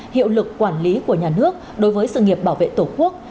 hiệu lực quản lý của nhà nước đối với sự nghiệp bảo vệ tổ quốc